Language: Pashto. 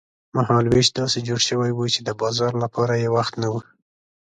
مهال وېش داسې جوړ شوی و چې د بازار لپاره یې وخت نه و.